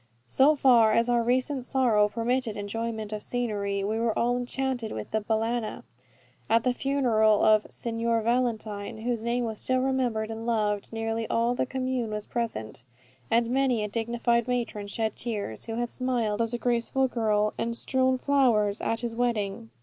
So far as our recent sorrow permitted enjoyment of scenery, we were all enchanted with the Balagna. At the funeral of "Signor Valentine," whose name was still remembered and loved, nearly all the commune was present; and many a dignified matron shed tears, who had smiled as a graceful girl, and strown flowers, at his wedding.